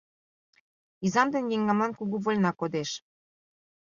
Изам ден еҥгамлан кугу вольна кодеш.